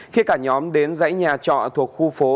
khi cả nhóm đến dãy nhà trọ thuộc khu phố